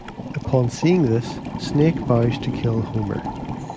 Upon seeing this, Snake vows to kill Homer.